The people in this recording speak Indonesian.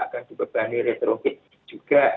akan dibebani retrofit juga